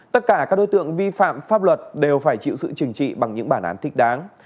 tất cả các đối tượng vi phạm pháp luật đều phải chịu sự trừng trị bằng những bản án thích đáng